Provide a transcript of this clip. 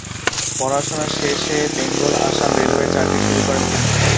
পড়াশোনা শেষে বেঙ্গল আসাম রেলওয়ে চাকরি শুরু করেন তিনি।